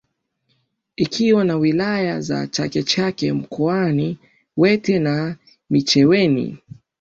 Ikiwa na wilaya za Chake Chake mkoani wete na micheweni